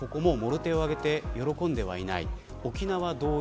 でもやっぱりここももろ手を挙げて喜んではいない。